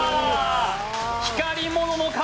光り物の壁